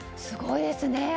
すごいですね。